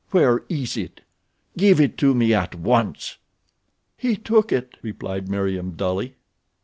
Where is it? Give it to me at once!" "He took it," replied Meriem, dully.